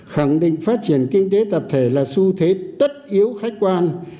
khẳng định phát triển kinh tế tập thể là xu thế tất yếu khách quan